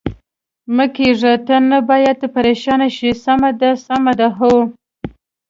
مه کېږه، ته نه باید پرېشانه شې، سمه ده، سمه ده؟ هو.